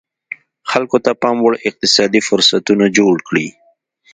خلکو ته پاموړ اقتصادي فرصتونه جوړ کړي.